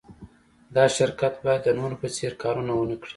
دا شرکت باید د نورو په څېر کارونه و نهکړي